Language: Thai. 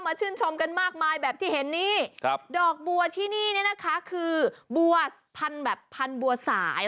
มาชื่นชมกันมากมายแบบที่เห็นนี่ดอกบัวที่นี่นะคะคือบัวพันธุ์แบบพันธุ์บัวสาย